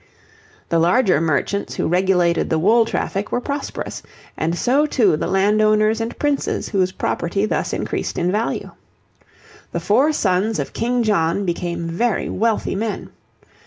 The larger merchants who regulated the wool traffic were prosperous, and so too the landowners and princes whose property thus increased in value. The four sons of King John became very wealthy men.